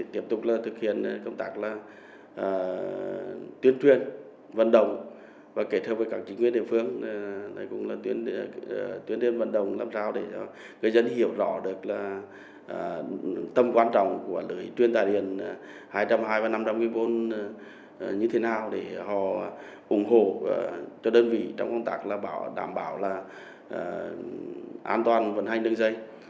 tiếp tục thực hiện công tác tuyên truyền vận động và kể thơ với các chính quyền địa phương tuyên truyền vận động làm sao để cho người dân hiểu rõ được tâm quan trọng của lưỡi tuyên tài liền hai trăm hai mươi và năm trăm linh mv như thế nào để họ ủng hộ cho đơn vị trong công tác đảm bảo an toàn vận hành đường dây